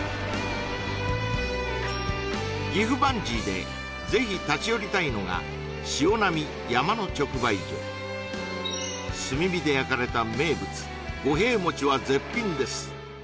岐阜バンジーで是非立ち寄りたいのがしおなみ山の直売所炭火で焼かれた名物五平餅は絶品です